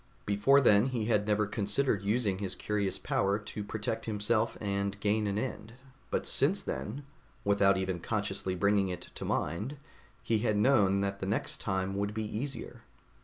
Before then, he had never considered using his curious power to protect himself and gain an end; but since then, without even consciously bringing it to mind, he had known that the next time would be easier.